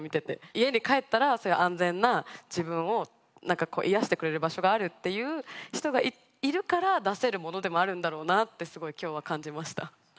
家に帰ったらそういう安全な自分をなんか癒やしてくれる場所があるっていう人がいるから出せるものでもあるんだろうなってすごい今日は感じました。